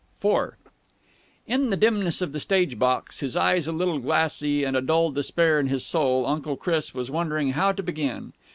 IV In the dimness of the stage box, his eyes a little glassy and a dull despair in his soul, Uncle Chris was wondering how to begin.